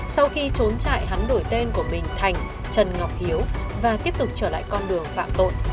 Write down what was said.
sau khi trốn chạy hắn đổi tên của bình thành trần ngọc hiếu và tiếp tục trở lại con đường phạm tội